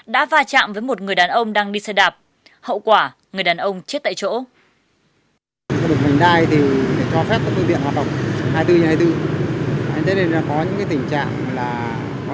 đã va chạm với một người đàn ông đang đi xe đạp hậu quả người đàn ông chết tại chỗ